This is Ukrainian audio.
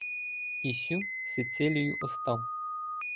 І сю Сицилію остав.